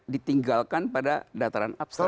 ditinggalkan pada dataran abstrak